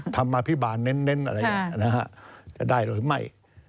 อภิบาลเน้นอะไรอย่างนี้จะได้หรือไม่